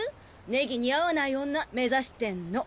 ネギ似合わない女目指してんの。